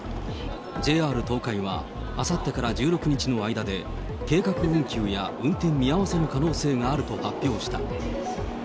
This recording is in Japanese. ＪＲ東海は、あさってから１６日の間で、計画運休や運転見合わせの可能性があると発表した。